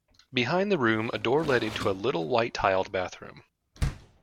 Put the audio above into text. Behind the room a door led into a little white-tiled bathroom.